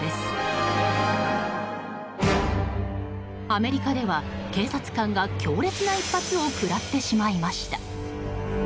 アメリカでは、警察官が強烈な一発を食らってしまいました。